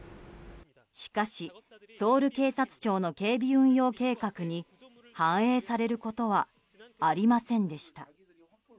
しかしソウル警察庁の警備運用計画に反映されることはありませんでした。